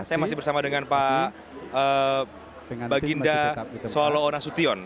saya masih bersama dengan pak baginda soelowonasution